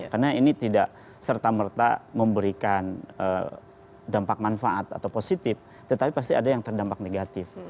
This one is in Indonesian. karena ini tidak serta merta memberikan dampak manfaat atau positif tetapi pasti ada yang terdampak negatif